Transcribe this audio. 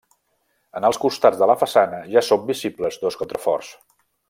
En els costats de la façana ja són visibles dos contraforts.